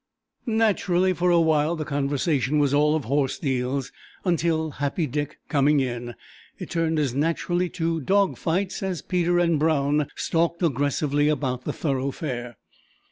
Naturally, for a while the conversation was all of horse deals, until, Happy Dick coming in, it turned as naturally to dog fights as Peter and Brown stalked aggressively about the thoroughfare.